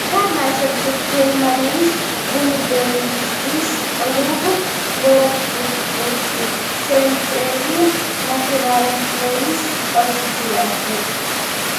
თამაშობს გერმანიის ბუნდესლიგის კლუბ „ვოლფსბურგში“ შემტევი ნახევარმცველის პოზიციაზე.